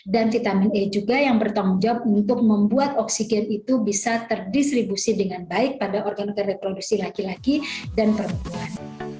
dan vitamin e juga yang bertanggung jawab untuk membuat oksigen itu bisa terdistribusi dengan baik pada organ reproduksi laki laki dan perempuan